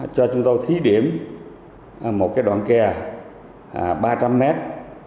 cho chúng tôi thí điểm một đoạn kè ba trăm linh mét